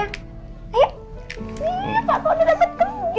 pak kau udah dapet kerja